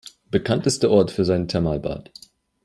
Bekannt ist der Ort für sein Thermalbad.